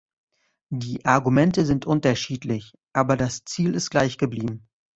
Die Argumente sind unterschiedlich, aber das Ziel ist gleichgeblieben.